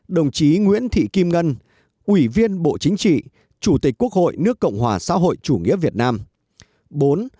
ba đồng chí nguyễn thị kim ngân